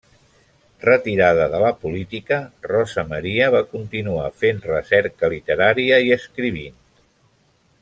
Retirada de la política, Rosa Maria va continuar fent recerca literària i escrivint.